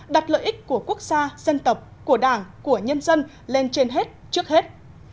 đặt lợi ích của quốc gia dân tộc của đảng của nhân dân lên trên hết trước hết